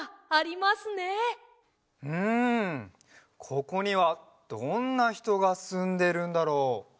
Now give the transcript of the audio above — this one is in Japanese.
ここにはどんなひとがすんでるんだろう？